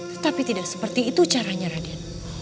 tetapi tidak seperti itu caranya raden